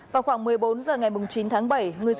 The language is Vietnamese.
vào khoảng một mươi bốn h ngày chín tháng bảy